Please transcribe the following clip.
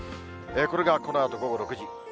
これが、このあと午後６時。